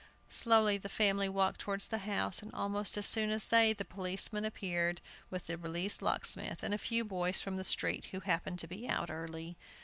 Slowly the family walked towards the house, and, almost as soon as they, the policeman appeared with the released locksmith, and a few boys from the street, who happened to be out early.